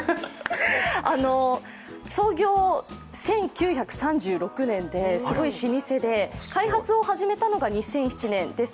創業１９３６年ですごい老舗で、開発を始めたのが２００７年です。